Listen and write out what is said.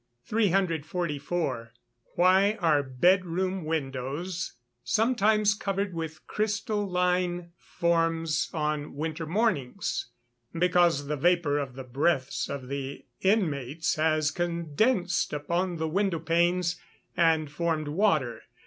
344. Why are bed room windows sometimes covered with crystalline forms on winter mornings? Because the vapour of the breaths of the inmates has condensed upon the window panes, and formed water.